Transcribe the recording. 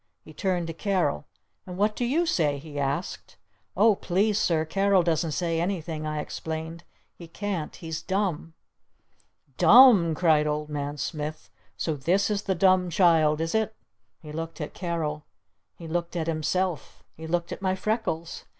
He turned to Carol. "And what do you say?" he asked. "Oh, please, Sir, Carol doesn't say anything!" I explained. "He can't! He's dumb!" "Dumb?" cried Old Man Smith. "So this is the Dumb Child, is it?" He looked at Carol. He looked at himself. He looked at my freckles.